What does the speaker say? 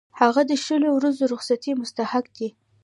هغه د شلو ورځو رخصتۍ مستحق دی.